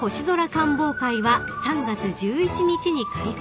観望会は３月１１日に開催］